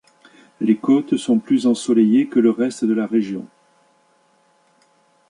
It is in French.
Les côtes sont plus ensoleillées que le reste de la région.